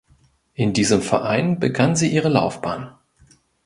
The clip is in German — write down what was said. In diesem Verein begann sie ihre Laufbahn.